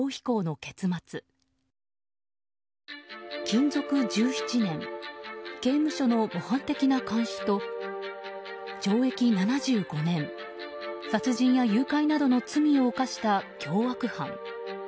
勤続１７年刑務所の模範的な看守と懲役７５年、殺人や誘拐などの罪を犯した凶悪犯。